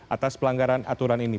atas pelanggaran aturan ini